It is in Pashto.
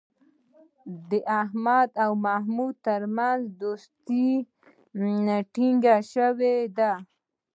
د احمد او محمود ترمنځ دوستي ټینگه شوې ده.